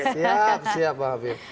siap siap mbak habib